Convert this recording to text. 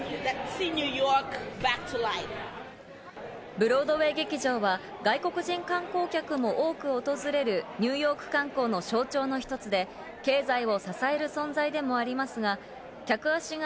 ブロードウェー劇場は外国人観光客も多く訪れるニューヨーク観光の象徴の一つで経済を支える存在でもありますが、客足が